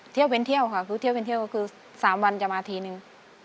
เที่ยวเป็นเที่ยวค่ะคือเที่ยวเป็นเที่ยวก็คือ๓วันจะมาทีนึง